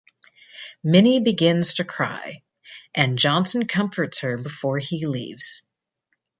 Minnie begins to cry, and Johnson comforts her before he leaves.